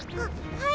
はい？